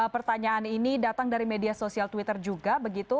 pertanyaan ini datang dari media sosial twitter juga begitu